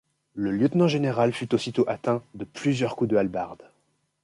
Le lieutenant-général fut aussitôt atteint de plusieurs coups de hallebarde.